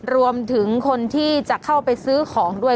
รวมถึงคนที่จะเข้าไปซื้อของด้วย